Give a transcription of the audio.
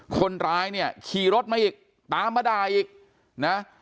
คนร้ายเนี่ยขี่รถมาอีกตามมาด่าอีกนะ